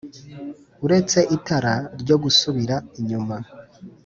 uretse itara ryo gusubira inyuma